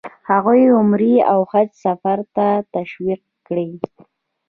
هغوی عمرې او حج سفر ته تشویق کړي.